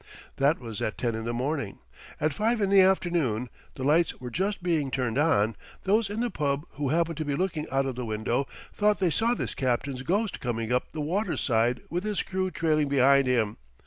That was at ten in the morning. At five in the afternoon the lights were just being turned on those in the pub who happened to be looking out of the window thought they saw this captain's ghost coming up the waterside with his crew trailing behind him.